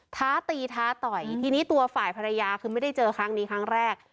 ท้าตีท้าต่อยทีนี้ตัวฝ่ายภรรยาคือไม่ได้เจอครั้งนี้ครั้งแรก